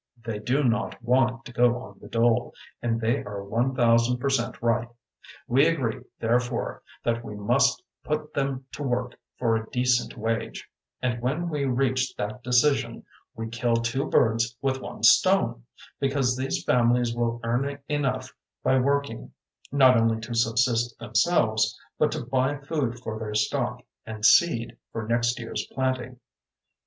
They do not want to go on the dole and they are one thousand percent right. We agree, therefore, that we must put them to work for a decent wage; and when we reach that decision we kill two birds with one stone, because these families will earn enough by working, not only to subsist themselves, but to buy food for their stock, and seed for next year's planting.